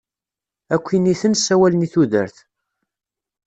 Akk initen ssawalen i tudert.